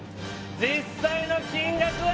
実際の金額は？